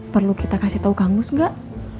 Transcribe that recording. perlu kita kasih tahu kang uus gak